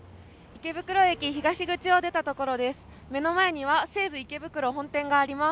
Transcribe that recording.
池袋駅東口を出たところです。